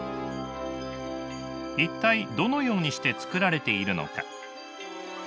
一体どのようにして作られているのか？